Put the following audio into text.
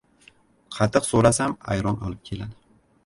• Qatiq so‘rasam ayron olib keladi.